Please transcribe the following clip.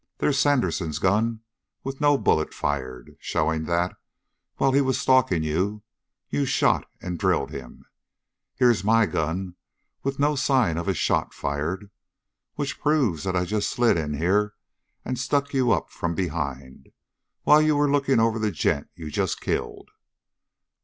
There's Sandersen's gun with no bullet fired, showing that, while he was stalking you, you shot and drilled him. Here's my gun with no sign of a shot fired. Which proves that I just slid in here and stuck you up from behind, while you were looking over the gent you'd just killed."